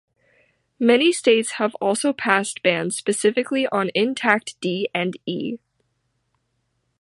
Many states have also passed bans specifically on intact D and E.